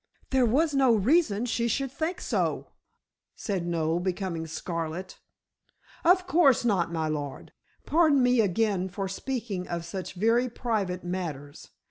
"There was no reason she should think so," said Noel, becoming scarlet. "Of course not, my lord. Pardon me again for speaking of such very private matters.